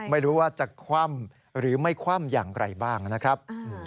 ไม่รู้ว่าจะคว่ำหรือไม่คว่ำอย่างไรบ้างนะครับ